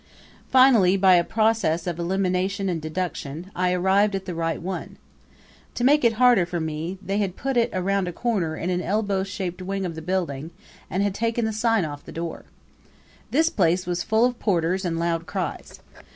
Finally, by a process of elimination and deduction, I arrived at the right one. To make it harder for me they had put it around a corner in an elbow shaped wing of the building and had taken the sign off the door. This place was full of porters and loud cries.